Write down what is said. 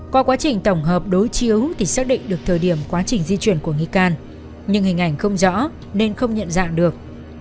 qua quá trình tổng hợp đối chiếu thì xác định được thời điểm quá trình di chuyển của nghi can nhưng hình ảnh không rõ nên không nhận dạng được